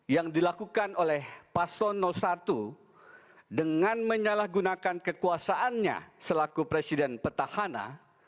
yang dilakukan oleh paslon satu dengan menyalahgunakan kekuasaannya selaku presiden petahana